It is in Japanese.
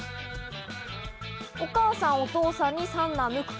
お母さん、お父さんに三男の椋君。